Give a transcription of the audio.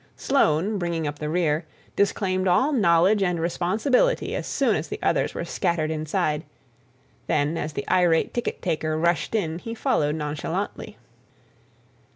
Sloane, bringing up the rear, disclaimed all knowledge and responsibility as soon as the others were scattered inside; then as the irate ticket taker rushed in he followed nonchalantly.